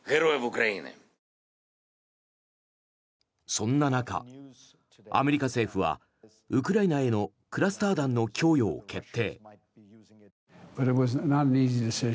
そんな中、アメリカ政府はウクライナへのクラスター弾の供与を決定。